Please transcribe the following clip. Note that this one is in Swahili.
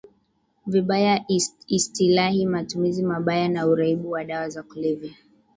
vibaya Istilahi matumizi mabaya na uraibu wa dawa za kulevya